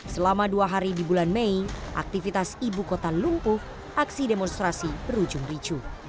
selama dua hari di bulan mei aktivitas ibu kota lumpuh aksi demonstrasi berujung ricu